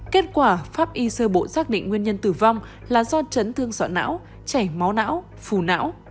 kết quả pháp y sơ bộ xác định nguyên nhân tử vong là do chấn thương sọ não chảy máu não phù não